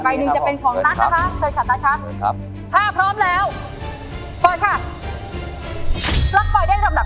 อีกไฟ้หนึ่งจะเป็นของนัทนะคะเชิญครับทัศน์ครับ